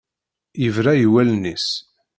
Yebra i wallen-is.